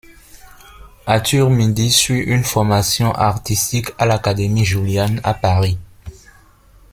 Arthur Midy suit une formation artistique à l'Académie Julian à Paris.